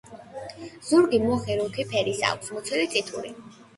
ზურგი მუქი რუხი ფერისა აქვს, მუცელი წითური.